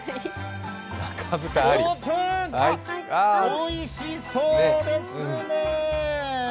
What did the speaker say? おいしそうですね。